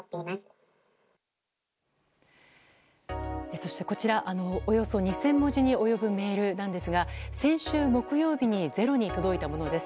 そして、こちらおよそ２０００文字に及ぶメールなんですが先週木曜日に「ｚｅｒｏ」に届いたものです。